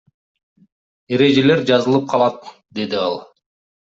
Эрежелер жазылып калат, — деди ал.